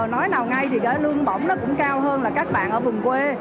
nói nào ngay thì cái lương bổng nó cũng cao hơn là các bạn ở vùng quê